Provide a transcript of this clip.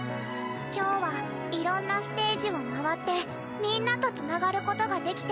今日はいろんなステージを回ってみんなと繋がることができて。